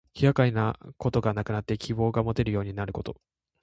気がかりなことがなくなって希望がもてるようになること。